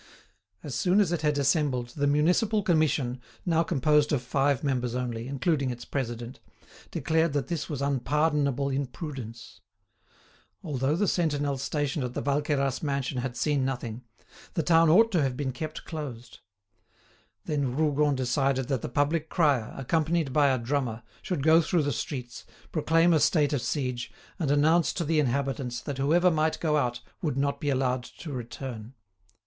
As soon as it had assembled, the Municipal Commission, now composed of five members only, including its president, declared that this was unpardonable imprudence. Although the sentinel stationed at the Valqueyras mansion had seen nothing, the town ought to have been kept closed. Then Rougon decided that the public crier, accompanied by a drummer, should go through the streets, proclaim a state of siege, and announce to the inhabitants that whoever might go out would not be allowed to return.